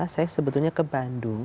saya sebetulnya ke bandung